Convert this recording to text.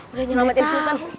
udah nyelamatin sultan